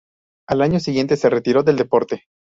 Al año siguiente se retiró del deporte.